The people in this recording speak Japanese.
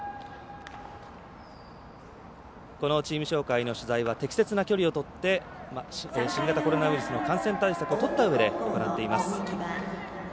このチーム紹介の取材は適切な距離をとって新型コロナウイルスの感染対策をとったうえで行っています。